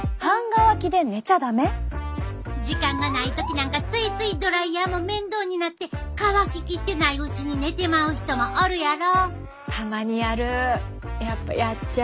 時間がない時なんかついついドライヤーも面倒になって乾き切ってないうちに寝てまう人もおるやろ。